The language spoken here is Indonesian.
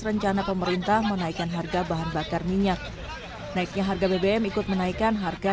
rencana pemerintah menaikkan harga bahan bakar minyak naiknya harga bbm ikut menaikkan harga